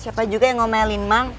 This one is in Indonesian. siapa juga yang ngomongin mang